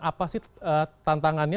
apa sih tantangannya